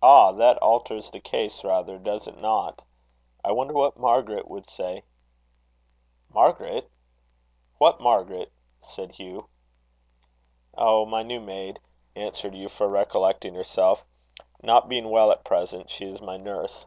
"Ah! that alters the case rather, does it not? I wonder what Margaret would say." "Margaret! What Margaret?" said Hugh. "Oh! my new maid," answered Euphra, recollecting herself. "Not being well at present, she is my nurse."